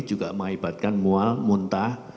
juga mengibatkan mual muntah